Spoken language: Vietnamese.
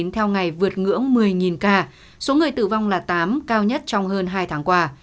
theo ngày vượt ngưỡng một mươi ca số người tử vong là tám cao nhất trong hơn hai tháng qua